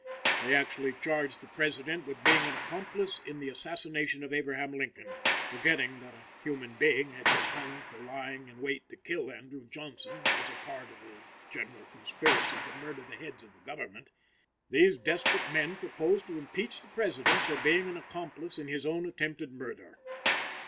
They actually charged the President with being an accomplice in the assassination of Abraham Lincoln. Forgetting that a human being had been hung for lying in wait to kill Andrew Johnson as a part of a general conspiracy to murder the heads of the Government, these desperate men propose to impeach the President for being an accomplice in his own attempted murder.